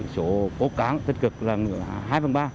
số bố cán tích cực là hai phần ba